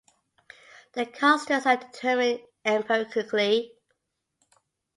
The constants are determined empirically.